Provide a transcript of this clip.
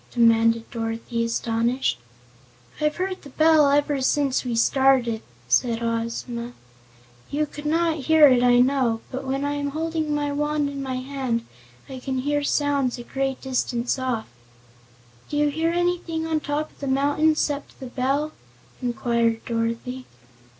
demanded Dorothy, astonished. "I've heard the bell ever since we started," Ozma told her. "You could not hear it, I know, but when I am holding my wand in my hand I can hear sounds a great distance off." "Do you hear anything on top of the mountain 'cept the bell?" inquired Dorothy.